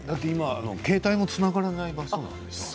携帯もつながらない場所なんですよね。